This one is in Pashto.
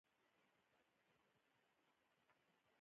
د پیرودونکي مشوره ارزښت لري.